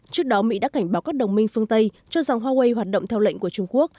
trước đó mỹ đã cảnh báo các đồng minh phương tây cho rằng huawei hoạt động theo lệnh của trung quốc